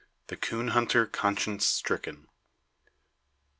THE COON HUNTER CONSCIENCE STRICKEN.